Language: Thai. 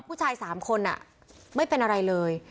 คุกสาย๓คนอะไม่เป็นอะไรเลย